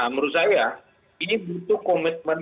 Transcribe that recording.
menurut saya ini butuh komitmen